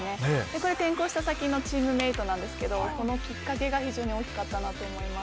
これ転校した先のチームメートなんですけどこのきっかけが非常に大きかったなと思います。